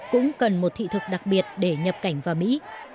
cũng cần một thị thực đặc biệt để nhập cảnh vào mỹ